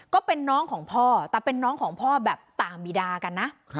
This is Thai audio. ก็เป็นน้องของพ่อแต่เป็นน้องของพ่อแบบต่างบีดากันนะ